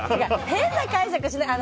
変な解釈しないで！